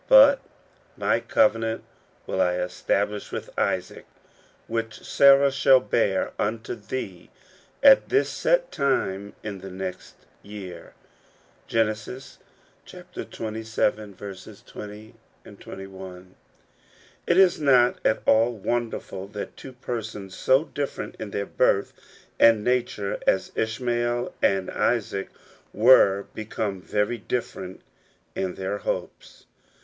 But mv covenant will I estah lish with Isaac, which Sarah shall bear unto thee at this set time in the next year."— Genesis xvii. 30, 31. T is not at all wonderful that two persons, so different in their birth and nature as Ishmael and Isaac were, became very different in their hopes.